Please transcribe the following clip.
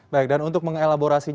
baik dan untuk mengelaborasi